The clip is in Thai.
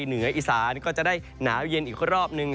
เหนืออีสานก็จะได้หนาวเย็นอีกรอบนึง